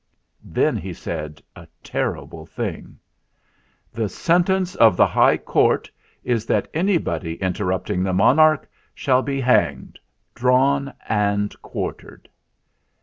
Then he said a terrible thing: "The sentence of the High Court is that any body interrupting the Monarch shall be hanged, drawn, and quartered."